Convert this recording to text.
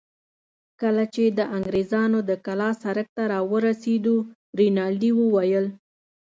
کله چې د انګرېزانو د کلا سړک ته راورسېدو، رینالډي وویل.